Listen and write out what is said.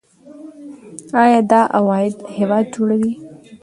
آیا دا عواید هیواد جوړوي؟